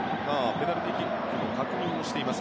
ペナルティーキックか確認をしています。